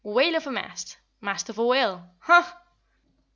Whale of a mast! Mast of a whale! HUH!"